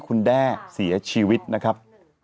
คุณแด้เสียชีวิตนะครับ